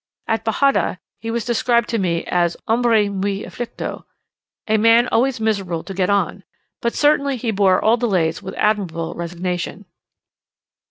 At Bajada, he was described to me as "hombre muy aflicto" a man always miserable to get on; but certainly he bore all delays with admirable resignation.